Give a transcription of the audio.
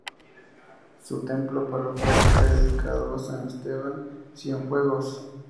Su templo parroquial está dedicado a San Esteban de Cienfuegos.